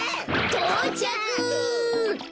とうちゃく！